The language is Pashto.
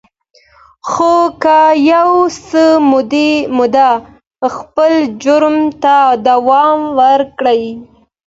خو که يو څه موده خپل جرم ته دوام ورکړي.